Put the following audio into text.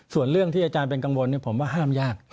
ส่วนเรื่องที่อาจารย์เป็นกังวลผมว่าห้ามยาก